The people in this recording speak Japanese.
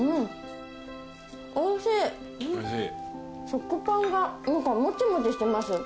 食パンが何かもちもちしてます。